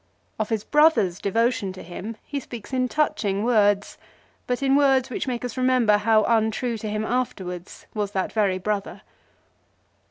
Of his brother's devotion to him he speaks in touching words, but in words which make us remember how untrue to him afterwards was that very brother.